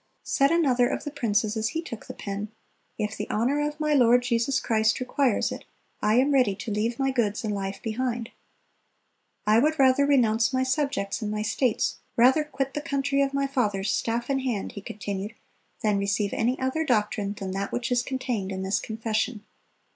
Said another of the princes as he took the pen, "If the honor of my Lord Jesus Christ requires it, I am ready ... to leave my goods and life behind." "I would rather renounce my subjects and my states, rather quit the country of my fathers staff in hand," he continued, "than receive any other doctrine than that which is contained in this Confession."